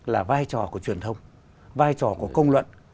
là vai trò của truyền thông vai trò của công luận